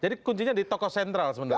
jadi kuncinya di toko sentral sebenarnya